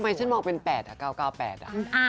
ทำไมฉันมองเป็น๘หรือ๙๙๘อ่ะ